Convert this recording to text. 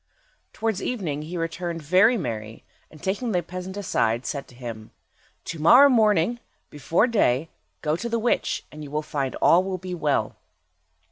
Towards evening he returned very merry, and taking the peasant aside, said to him— "To morrow morning, before day, go to the witch, and you will find all will be well."